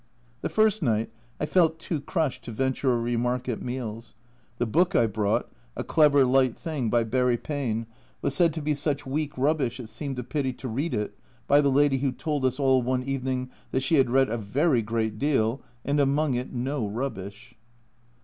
The first night I felt too crushed to venture a remark at meals ; the book I brought (a clever light thing by Barry Pain) was said to be "such weak rubbish it 198 A Journal from Japan seemed a pity to read it " by the lady who told us all one evening that she "had read a very great deal and among it no rubbish